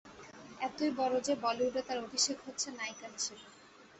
এতই বড় যে বলিউডে তাঁর অভিষেক হচ্ছে নায়িকা হিসেবে।